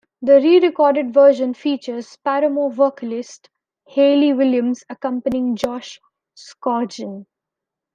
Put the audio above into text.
The re-recorded version features Paramore vocalist Hayley Williams accompanying Josh Scogin.